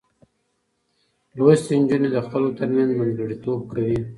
لوستې نجونې د خلکو ترمنځ منځګړتوب کوي.